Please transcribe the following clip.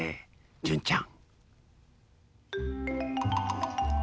純ちゃん。